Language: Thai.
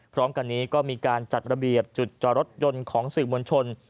พร้อมกันนี้ก็มีการจัดระเบียบจุดจอรถยนต์ของสื่อมวลชน